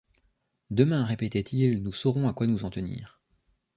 Demain, répétait-il, nous saurons à quoi nous en tenir